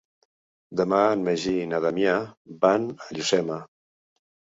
Demà en Magí i na Damià van a Llucena.